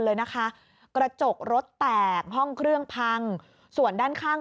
เลยนะคะกระจกรถแตกห้องเครื่องพังส่วนด้านข้าง